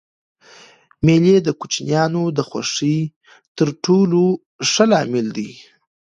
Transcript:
مېلې د کوچنيانو د خوښۍ تر ټولو ښه لامل دئ.